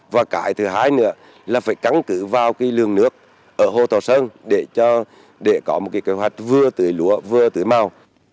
và cải thứ hai nữa là phải cắn cử vào cái lường nước ở hồ tàu sơn để có một kế hoạch vừa tưới lúa vừa tưới màu